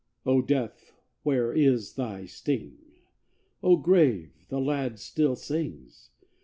O Death, Where is thy sting? O Grave.... The lad still sings!